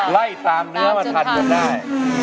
ไล่ตามเนื้อมาทันจนได้